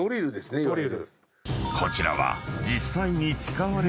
［こちらは］